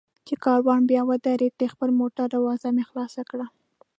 چې کاروان بیا ودرېد، د خپل موټر دروازه مې خلاصه کړه.